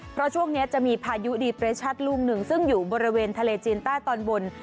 เพราะช่วงนี้จะมีพายุดีเปรชั่นลูกหนึ่งซึ่งอยู่บริเวณทะเลจีนใต้ตอนบน